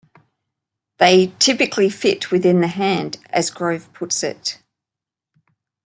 They "typically fit within the hand", as Grove puts it.